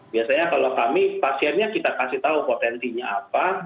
biasanya kalau kami pasiennya kita kasih tahu potensinya apa